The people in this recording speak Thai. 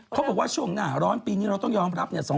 เขาบอกว่าช่วงหน้าร้อนปีนี้เราต้องยอมรับเนี่ย